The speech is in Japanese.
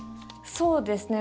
そうですね